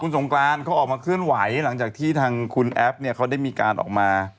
สงกรานเขาออกมาเคลื่อนไหวหลังจากที่ทางคุณแอฟเนี่ยเขาได้มีการออกมา